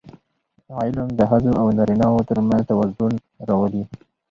علم د ښځو او نارینهوو ترمنځ توازن راولي.